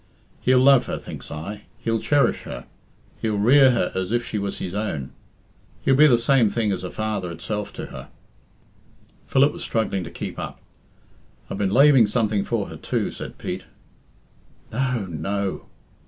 He'll love her,'. thinks I; 'he'll cherish her; he'll rear her as if she was his own; he'll be same thing as a father itself to her' " Philip was struggling to keep up. "I've been laving something for her too," said Pete. "No, no!"